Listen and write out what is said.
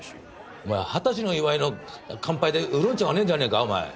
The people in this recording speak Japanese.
お前二十歳の祝いの乾杯でウーロン茶はねえんじゃねえかお前。